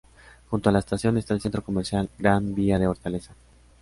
Junto a la estación está el Centro Comercial "Gran Vía de Hortaleza".